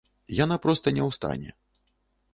Яна проста не ў стане.